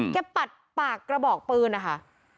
ปัดปากกระบอกปืนนะคะ